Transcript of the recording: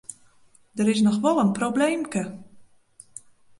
Der is noch wol in probleemke.